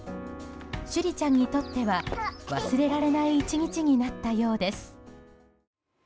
珠里ちゃんにとっては忘れられない１日になったようです。